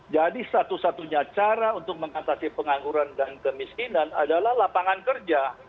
jadi satu satunya cara untuk mengatasi pengangguran dan kemiskinan adalah lapangan kerja